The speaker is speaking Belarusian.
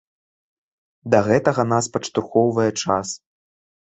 Да гэтага нас падштурхоўвае час.